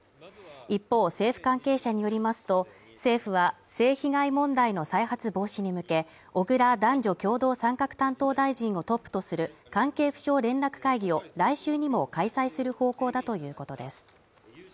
一方、政府関係者によりますと、政府は、性被害問題の再発防止に向け、小倉男女共同参画担当大臣をトップとする関係府省連絡会議を来週にも開催する方向だということです。